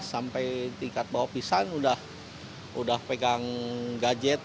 sampai tingkat bawah pisang udah pegang gadget